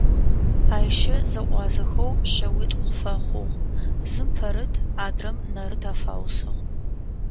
Айщэ зэтӏуазэхэу шъэуитӏу къыфэхъугъ: зым Пэрыт адрэм Нэрыт афаусыгъ.